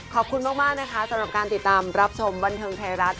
ขอบคุณมากนะคะสำหรับการติดตามรับชมบันเทิงไทยรัฐ